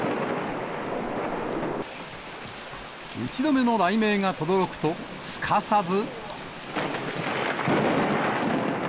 １度目の雷鳴がとどろくと、すかさず。